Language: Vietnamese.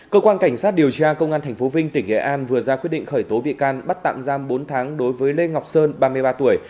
cơ quan cảnh sát điều tra công an tp vinh tỉnh nghệ an vừa ra quyết định khởi tố bị can bắt tạm giam bốn tháng đối với lê ngọc sơn ba mươi ba tuổi